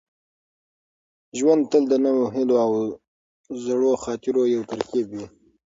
ژوند تل د نویو هیلو او زړو خاطرو یو ترکیب وي.